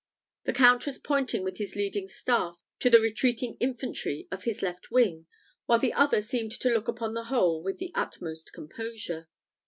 The Count was pointing with his leading staff to the retreating infantry of his left wing, while the other seemed to look upon the whole with the utmost composure.